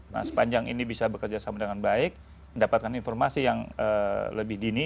nah sepanjang ini bisa bekerja sama dengan baik mendapatkan informasi yang lebih dini